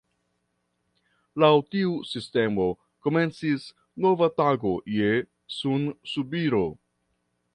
Laŭ tiu sistemo komencis nova tago je sunsubiro.